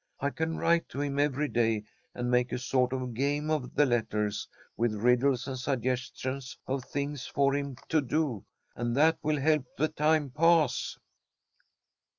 I can write to him every day, and make a sort of game of the letters with riddles and suggestions of things for him to do, and that will help the time pass."